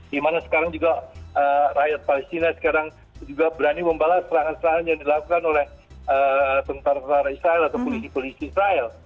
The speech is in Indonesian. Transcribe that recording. dimana sekarang juga rakyat palestina sekarang juga berani membalas serangan serangan yang dilakukan oleh tentara tentara israel atau polisi polisi israel